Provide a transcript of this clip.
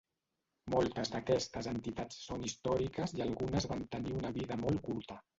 Moltes d'aquestes entitats són històriques i algunes van tenir una vida molt curta.